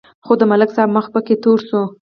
خو د ملک صاحب مخ پکې تور شو.